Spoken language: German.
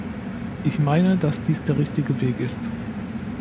Ich meine, dass dies der richtige Weg ist.